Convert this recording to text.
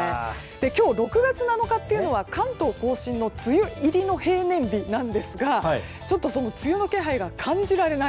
今日、６月７日は関東・甲信の梅雨入りの平年日なんですがちょっと梅雨の気配が感じられない